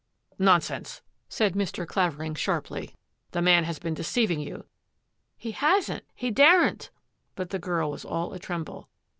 " Nonsense," said Mr. Clavering sharply. " The man has been deceiving you.'' " He hasn't ; he daren't !" But the girl was all a tremble.